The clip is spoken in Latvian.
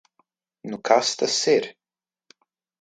Nu kas tas ir?